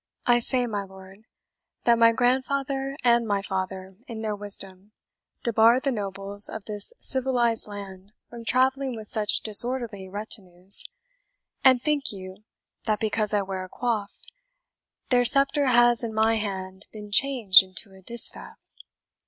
I say, my lord, that my grandfather and my father, in their wisdom, debarred the nobles of this civilized land from travelling with such disorderly retinues; and think you, that because I wear a coif, their sceptre has in my hand been changed into a distaff?